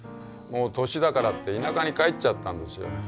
「もう年だから」って田舎に帰っちゃったんですよ。